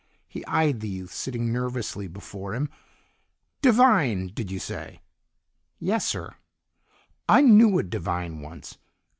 He eyed the youth sitting nervously before him. "Devine, did you say?" "Yes, sir." "I knew a Devine once.